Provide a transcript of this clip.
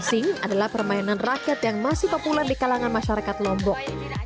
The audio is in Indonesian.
asing adalah permainan rakyat yang masih populer di kalangan masyarakat lombok